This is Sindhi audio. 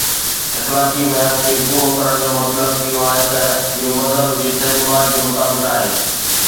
اخلاقي معيار کي پورو ڪرڻ جو مطلب اهو آهي ته اهو مذهب جي تعليمات جي مطابق آهي.